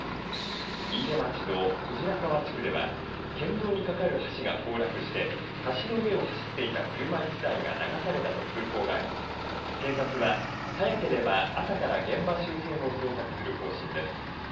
飯豊町の小白川地区では県道にかかる橋が崩落して橋の上を走っていた車１台が流されたと通報があり警察は早ければ朝から現場周辺を捜索する方針です。